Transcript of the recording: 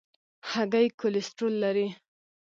هګۍ کولیسټرول لري.